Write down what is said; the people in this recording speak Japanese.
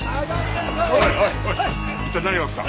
おいおい一体何が起きた？